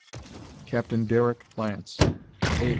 F. Captain Derek Lance, A.